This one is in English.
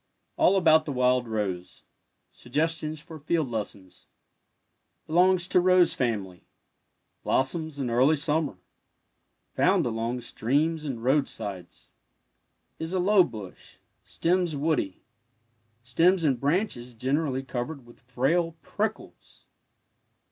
ALL ABOUT THE WILD ROSE SUGGESTIONS FOR FIELD LESSONS Belongs to rose family. Blossoms in early summer. . Foimd along streams and roadsides. Is a low bush— stems woody— stems and branches generally covered with frail prickles.